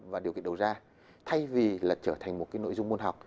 và điều kiện đầu ra thay vì là trở thành một cái nội dung môn học